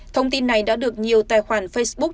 thông tin này đã được nhiều tài khoản facebook